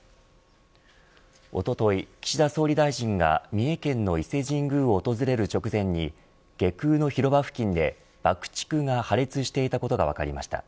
おととい岸田総理大臣が三重県の伊勢神宮を訪れる直前に外宮の広場付近で爆竹が破裂していたことが分かりました。